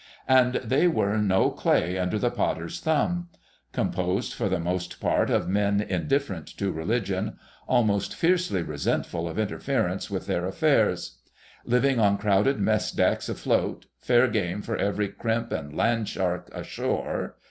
And they were no clay under the potter's thumb. Composed for the most part of men indifferent to religion, almost fiercely resentful of interference with their affairs; living on crowded mess decks afloat, fair game for every crimp and land shark ashore.